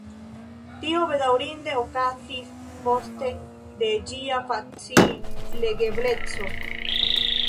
Tio bedaŭrinde okazis koste de ĝia facil-legebleco.